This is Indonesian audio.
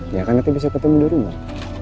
ya kan nanti bisa ketemu di rumah